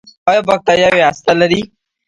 ایا بکتریاوې هسته لري؟